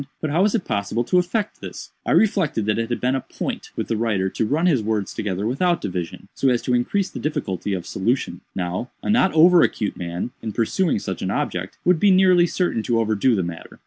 "But how was it possible to effect this?" "I reflected that it had been a point with the writer to run his words together without division, so as to increase the difficulty of solution. Now, a not over acute man, in pursuing such an object, would be nearly certain to overdo the matter.